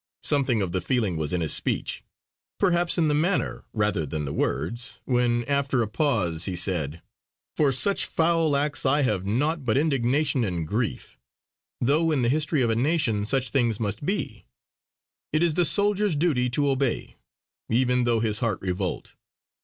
Something of the feeling was in his speech, perhaps in the manner rather than the words, when after a pause he said: "For such foul acts I have nought but indignation and grief; though in the history of a nation such things must be. It is the soldier's duty to obey; even though his heart revolt.